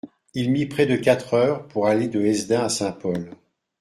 Il mit près de quatre heures pour aller de Hesdin à Saint-Pol.